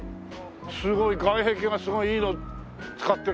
すごい外壁がすごいいいの使ってる。